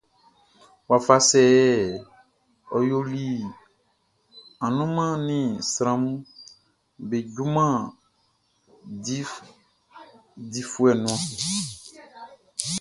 Wafa sɛ yɛ ɔ yoli annunman ni sranʼm be junman difuɛ mun?